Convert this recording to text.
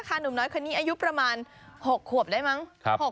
หนุ่มน้อยคนนี้อายุประมาณ๖ขวบได้มั้ง